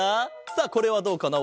さあこれはどうかな？